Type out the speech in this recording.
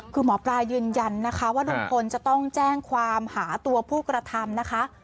คือหมอปลายืนยันนะคะว่าลุงพลจะต้องแจ้งความหาตัวผู้กระทำนะคะ